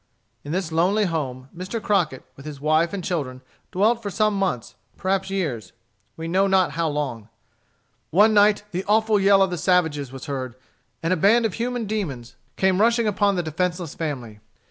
In this lonely home, Mr. Crockett, with his wife and children, dwelt for some months, perhaps years we know not how long. One night, the awful yell of the savage was heard, and a band of human demons came rushing upon the defenceless family.